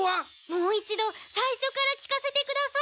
もう一度最初から聞かせてください。